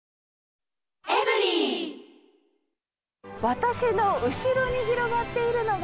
私の後ろに広がっているのが、